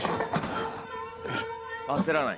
焦らない。